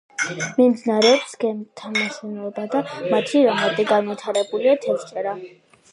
მიმდინარეობს გემთმშენებლობა და მათი რემონტი, განვითარებულია თევზჭერა.